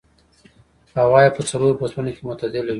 هوا يې په څلورو فصلونو کې معتدله وي.